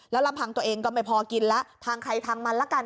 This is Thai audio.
ลำพังตัวเองก็ไม่พอกินแล้วทางใครทางมันละกัน